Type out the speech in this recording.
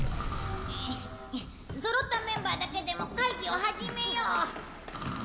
そろったメンバーだけでも会議を始めよう。